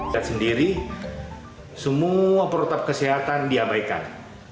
dan sendiri semua perutap kesehatan diabaikan